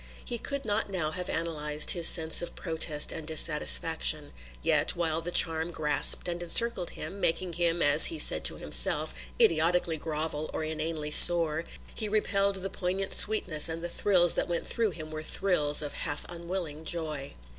He could not now have analysed his sense of protest and dissatisfaction; yet, while the charm grasped and encircled him, making him, as he said to himself, idiotically grovel or inanely soar, he repelled the poignant sweetness and the thrills that went through him were thrills of a half unwilling joy.